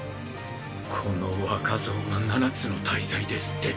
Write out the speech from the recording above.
この若造が七つの大罪ですって？